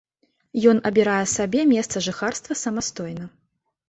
Ён абірае сябе месца жыхарства самастойна.